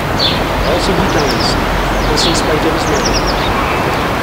Also he danced — this in spite of his mother.